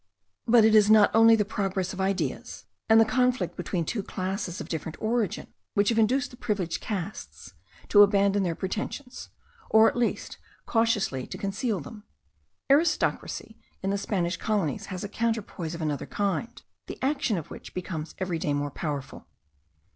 But it is not only the progress of ideas, and the conflict between two classes of different origin, which have induced the privileged castes to abandon their pretensions, or at least cautiously to conceal them. Aristocracy in the Spanish colonies has a counterpoise of another kind, the action of which becomes every day more powerful.